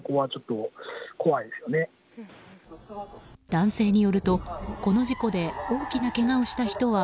男性によると、この事故で大きなけがをした人は